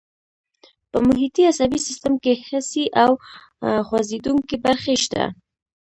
په محیطي عصبي سیستم کې حسي او خوځېدونکي برخې شته.